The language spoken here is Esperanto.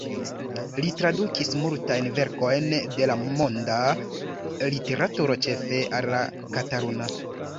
Li tradukis multajn verkojn de la monda literaturo ĉefe al la kataluna.